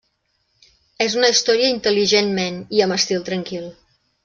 És una història intel·ligentment, i amb estil tranquil.